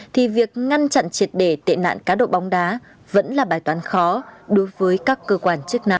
thì việc ngăn chặn triệt để tệ nạn cá độ bóng đá vẫn là bài toán khó đối với các cơ quan chức năng